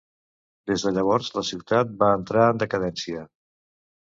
Des de llavors la ciutat va entrar en decadència.